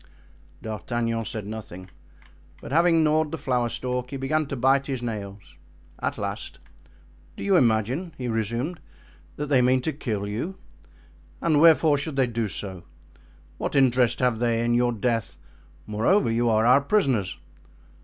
D'Artagnan said nothing, but, after having gnawed the flower stalk, he began to bite his nails. At last: "Do you imagine," he resumed, "that they mean to kill you? And wherefore should they do so? What interest have they in your death? Moreover, you are our prisoners."